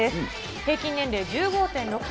平均年齢１５．６歳。